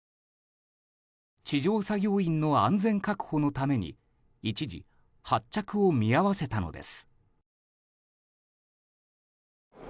地上作業員の安全確保のために一時、発着を見合わせたのです。